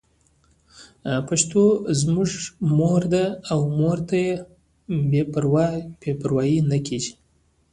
پښتو زموږ مور ده او مور ته بې پروايي نه کېږي.